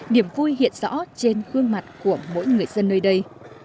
điểm vui hiện rõ trên gương mặt của mỗi người dân nơi đây